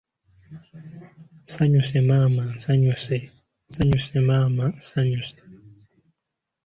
Nsanyuse maama nsanyuse nsanyuse maama nsanyuse